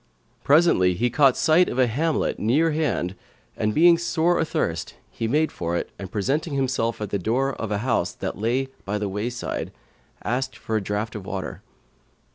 Presently, he caught sight of a hamlet near hand and being sore athirst, he made for it and presenting himself at the door of a house that lay by the wayside, asked for a draught of water.